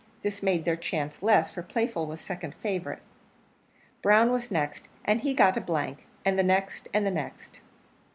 This made their chance less, for Playful was second favourite. Brown was next, and he got a blank; and the next, and the next.